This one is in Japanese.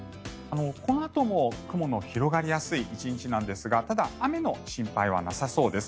このあとも雲の広がりやすい１日なんですがただ雨の心配はなさそうです。